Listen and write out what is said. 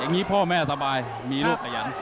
อย่างนี้พ่อแม่สบายมีลูกขยัน